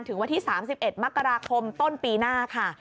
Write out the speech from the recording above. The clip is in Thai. ถึงวันที่๓๑มกราคมต้นปีหน้าค่ะ